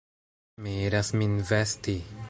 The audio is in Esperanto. Mi iras min vesti!